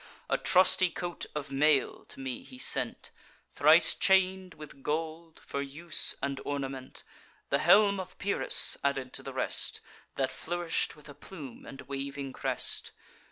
A trusty coat of mail to me he sent, Thrice chain'd with gold, for use and ornament; The helm of Pyrrhus added to the rest, That flourish'd with a plume and waving crest.